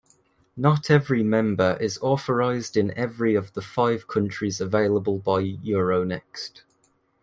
Not every member is authorized in every of the five countries available by Euronext.